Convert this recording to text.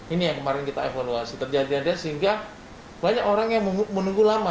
ini yang kemarin kita evaluasi terjadi ada sehingga banyak orang yang menunggu lama